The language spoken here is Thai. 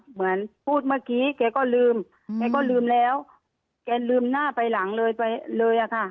เหมือนพูดเมื่อกี้แกก็ลืมแกก็ลืมแล้วแกลืมหน้าไปหลังเลยไปเลยอะค่ะ